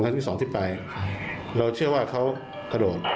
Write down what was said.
ที่สองที่ไปเราเชื่อว่าเขากระโดด